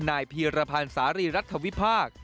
นายพีรพันธ์สาริรัฐวิพาค